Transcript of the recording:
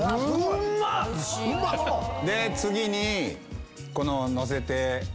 次にこの載せて。